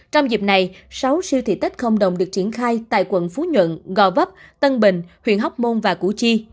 trong dịp này sáu siêu thị tết không đồng được triển khai tại quận phú nhuận gò vấp tân bình huyện hóc môn và củ chi